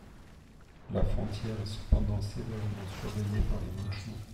La frontière est cependant sévèrement surveillée par les Mandchous.